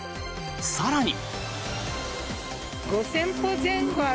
更に。